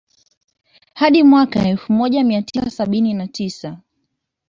Hadi mwaka elfu moja mia tisa sabini na tisa